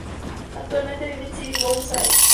Actualmente vive en Sidi Bou Said.